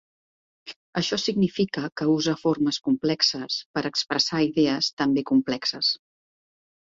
Això significa que usa formes complexes per expressar idees també complexes.